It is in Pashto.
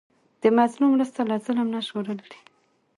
د مظلوم مرسته له ظلم نه ژغورل دي.